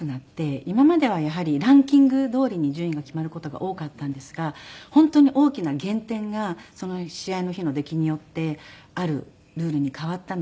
今まではやはりランキングどおりに順位が決まる事が多かったんですが本当に大きな減点がその試合の日の出来によってあるルールに変わったので。